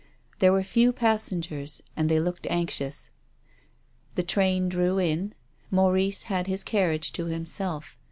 There were few passengers, and they looked anxious. The train drew in. Maurice had his carriage to himself.